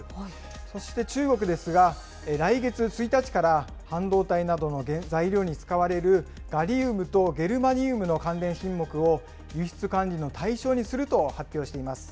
そして中国ですが、来月１日から半導体などの材料に使われるガリウムとゲルマニウムの関連品目を輸出管理の対象にすると発表しています。